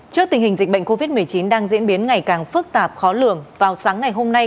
trước tình hình dịch bệnh covid một mươi chín đang diễn biến ngày càng phức tạp khó lường vào sáng ngày hôm nay